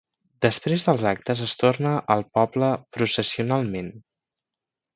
Després dels actes es torna al poble processionalment.